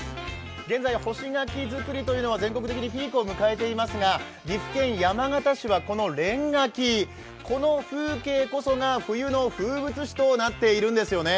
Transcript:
現在、干し柿づくりというのは全国的にピークを迎えていますが、岐阜県山県市はこの連柿、この風景こそが冬の風物詩となっているんですよね。